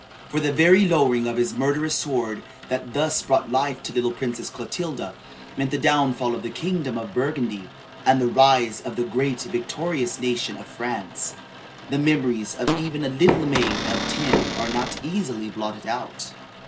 For the very lowering of the murderous sword that thus brought life to the little Princess Clotilda meant the downfall of the kingdom of Burgundy and the rise of the great and victorious nation of France. The memories of even a little maid of ten are not easily blotted out.